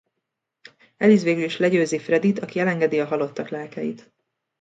Alice végül is legyőzi Freddyt aki elengedi a halottak lelkeit.